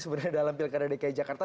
sebenarnya dalam pilkada dki jakarta